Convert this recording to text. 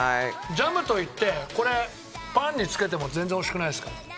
ジャムといってこれパンにつけても全然おいしくないですから。